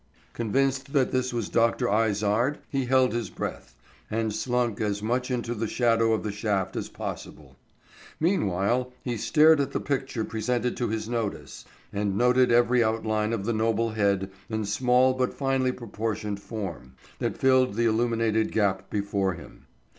Convinced that this was Dr. Izard, he held his breath, and slunk as much into the shadow of the shaft as possible. Meanwhile he stared at the picture presented to his notice, and noted every outline of the noble head and small but finely proportioned form, that filled the illuminated gap before him.